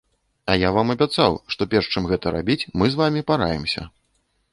А я вам абяцаў, што, перш чым гэта рабіць, мы з вамі параімся.